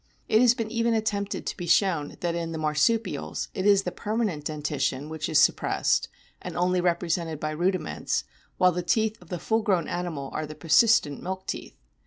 It has been even attempted to be shown that in the Marsupials it is the permanent dentition which is suppressed and only represented by rudiments, while the teeth of the full grown animal o are the persistent milk teeth.